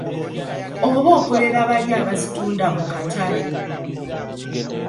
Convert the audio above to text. Oba okolera bali abazitunda mu katale?